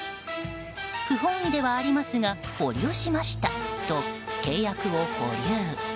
「ふほんいではありますがほりゅうしました」と契約を保留。